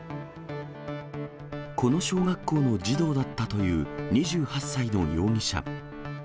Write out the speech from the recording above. この小学校の児童だったという２８歳の容疑者。